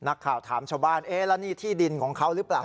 นักข่าวถามชาวบ้านเอ๊ะแล้วนี่ที่ดินของเขาหรือเปล่า